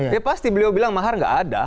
ya pasti beliau bilang mahar nggak ada